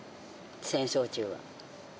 戦争中は。